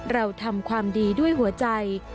เราทำความดีด้วยหัวใจ